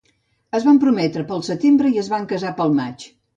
Es van prometre pel setembre i es van casar pel maig.